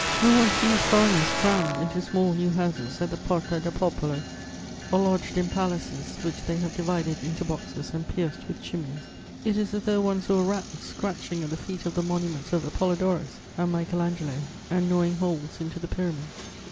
When one sees foreigners crammed into small new houses at the Porta del Popolo, or lodged in palaces which they have divided into boxes and pierced with chimneys, it is as though one saw rats scratching at the feet of the monuments of Apollodorus and Michael Angelo and gnawing holes into the pyramids.